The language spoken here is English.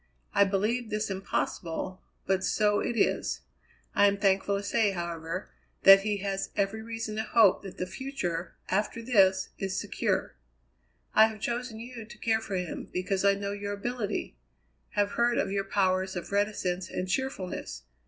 I believed this impossible, but so it is. I am thankful to say, however, that he has every reason to hope that the future, after this, is secure. I have chosen you to care for him, because I know your ability; have heard of your powers of reticence and cheerfulness.